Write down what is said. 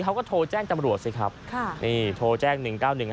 เขาก็โทรแจ้งตำรวจสิครับค่ะนี่โทรแจ้งหนึ่งเก้าหนึ่ง